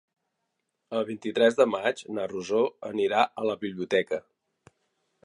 El vint-i-tres de maig na Rosó anirà a la biblioteca.